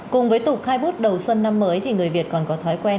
cùng với tục khai bút đầu xuân năm mới thì người việt còn có thói quen